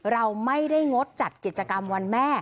เราไม่ได้งดจัดกิจกรรมวันแม่